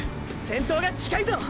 先頭が近いぞ！